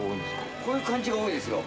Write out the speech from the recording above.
こういう感じが多いですよ。